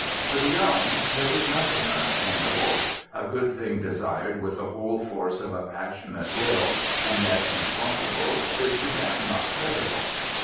For the young, there is nothing unattainable; a good thing desired with the whole force of a passionate will, and yet impossible, is to them not credible.